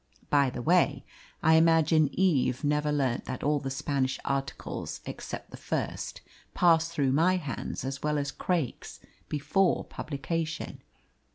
By the way, I imagine Eve never learnt that all the Spanish articles, except the first, passed through my hands as well as Craik's before publication.